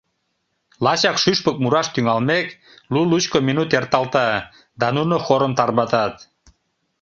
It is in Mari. Лачак шӱшпык мураш тӱҥалмек, лу-лучко минут эрталта, да нуно хорым тарватат.